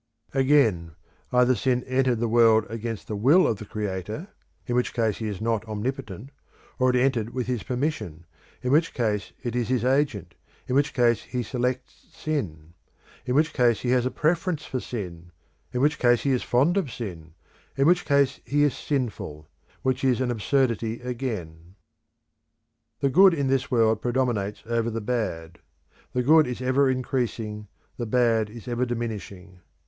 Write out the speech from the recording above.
Again, either sin entered the world against the will of the Creator, in which case he is not omnipotent, or it entered with his permission, in which case it is his agent, in which case he selects sin, in which case he has a preference for sin, in which case he is fond of sin, in which case he is sinful, which is an absurdity again. The good in this world predominates over the bad; the good is ever increasing, the bad is ever diminishing.